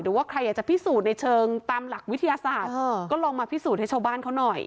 ว่าใครอยากจะพิสูจน์ในเชิงตามหลักวิทยาศาสตร์ก็ลองมาพิสูจน์ให้ชาวบ้านเขาหน่อย